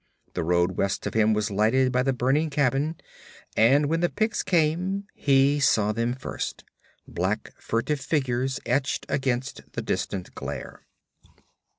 The road west of him was lighted by the burning cabin, and when the Picts came he saw them first black furtive figures etched against the distant glare.